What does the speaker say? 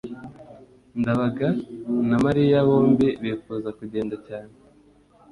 ndabaga na mariya bombi bifuza kugenda cyane